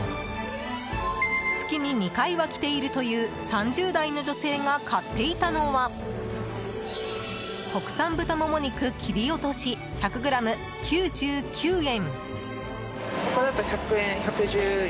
月に２回は来ているという３０代の女性が買っていたのは国産豚モモ肉切り落とし１００ｇ、９９円。